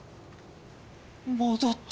戻った！